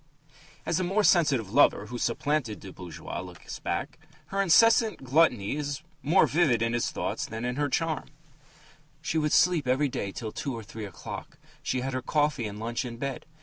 As the more sensitive lover who supplanted the bourgeois looks back, her incessant gluttony is more vivid in his thoughts than her charm: She would sleep every day till two or three o'clock; she had her coffee and lunch in bed.